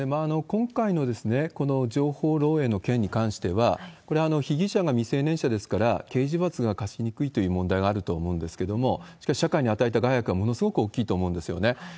今回のこの情報漏えいの件に関しては、これは被疑者が未成年者ですから、刑事罰が科しにくいという問題があると思うんですけれども、しかし、社会に与えた害悪はものすごく大きいと思うんですよね。